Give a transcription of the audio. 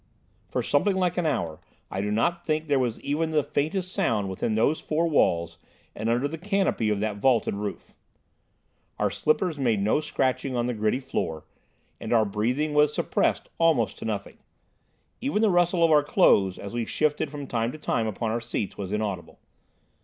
For something like an hour I do not think there was even the faintest sound within those four walls and under the canopy of that vaulted roof. Our slippers made no scratching on the gritty floor, and our breathing was suppressed almost to nothing; even the rustle of our clothes as we shifted from time to time upon our seats was inaudible.